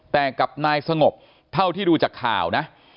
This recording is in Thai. แต่กับนายสงบเท่าที่ดูจากข่าวนะ